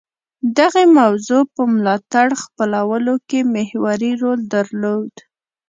دغې موضوع په ملاتړ خپلولو کې محوري رول درلود